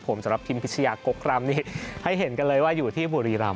ผมสำหรับพิมพิชยากกรำนี่ให้เห็นกันเลยว่าอยู่ที่บุรีรำ